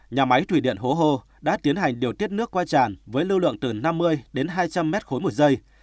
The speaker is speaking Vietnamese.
nhà máy thủy điện hố hô đã tiến hành điều tiết nước qua tràn với lưu lượng từ năm mươi đến hai trăm linh mét khối một giây